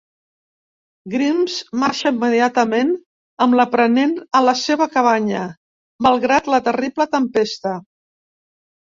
Grimes marxa immediatament amb l'aprenent a la seva cabanya, malgrat la terrible tempesta.